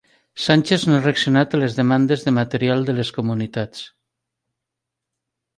Sánchez no ha reaccionat a les demandes de material de les comunitats